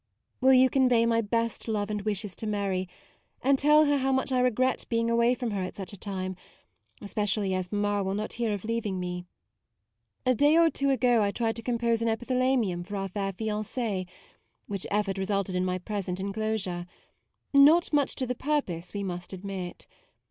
Will you convey my best love and wishes to Mary, and tell her how 90 MAUDE much I regret being away from her at such a time, especially as mamma will not hear of leaving me. A day or two ago I tried to compose an epithalamium for our fair fiancee ; which effort resulted in my present enclosure : not much to the purpose, we must admit.